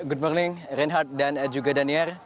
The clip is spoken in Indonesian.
good morning reinhard dan juga daniel